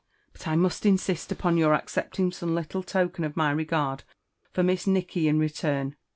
But I must insist upon your accepting some little token of my regard for Miss Nicky in return."